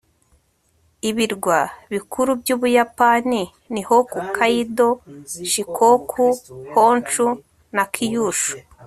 ibirwa bikuru by'ubuyapani ni hokkaido, shikoku, honshu na kyushu